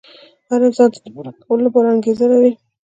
هر انسان يې د پوره کولو لپاره انګېزه لري.